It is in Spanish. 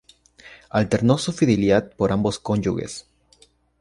Alternó su fidelidad por ambos cónyuges.